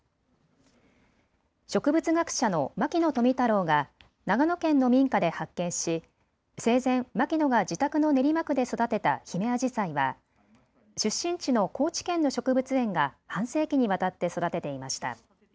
植物学者の牧野富太郎が長野県の民家で発見し生前、牧野が自宅の練馬区で育てたヒメアジサイは出身地の高知県の植物園が半世紀にわたって育てていました。